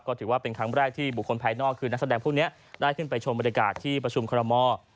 ก็ถือว่าเป็นครั้งแรกที่บุคคลภายนอกคือนักแสดงพวกนี้ได้ขึ้นไปชมบรรยากาศที่ประชุมคอรมอล